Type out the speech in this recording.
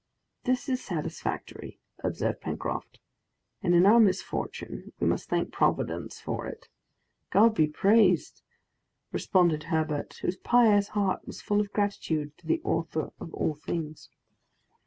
"This is satisfactory," observed Pencroft; "and in our misfortune, we must thank Providence for it." "God be praised!" responded Herbert, whose pious heart was full of gratitude to the Author of all things.